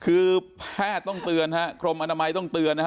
คือแพทย์ต้องเตือนฮะกรมอนามัยต้องเตือนนะฮะ